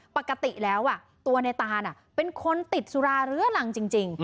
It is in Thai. ปกติแล้วตัวในตานเป็นคนติดสุราเรื้อรังจริง